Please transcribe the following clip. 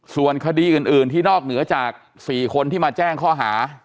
ส่วนคดีอื่นที่นอกเหนือจาก๔คนที่มาแจ้งข้อหา